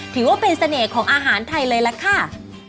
ถือว่าเป็นเสน่ห์ของอาหารไทยเลยล่ะค่ะ